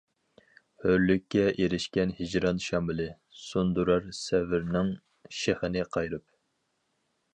ھۆرلۈككە ئېرىشكەن ھىجران شامىلى، سۇندۇرار سەۋرنىڭ شېخىنى قايرىپ.